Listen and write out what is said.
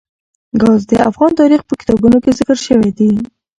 ګاز د افغان تاریخ په کتابونو کې ذکر شوی دي.